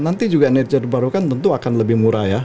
nanti juga energi terbarukan tentu akan lebih murah ya